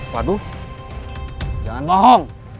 waduh jangan bohong